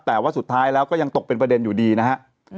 แต่ว่าสุดท้ายแล้วก็ยังตกเป็นประเด็นอยู่ดีนะฮะ